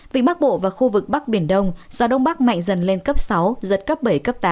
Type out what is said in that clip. vịnh bắc bộ và khu vực bắc biển đông gió đông bắc mạnh dần lên cấp sáu giật cấp bảy cấp tám